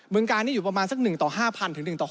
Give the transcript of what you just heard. บึงการนี่อยู่ประมาณ๑ต่อ๕๐๐๐ถึง๑ต่อ๖๐๐๐